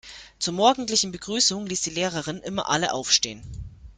Zur morgendlichen Begrüßung ließ die Lehrerin immer alle aufstehen.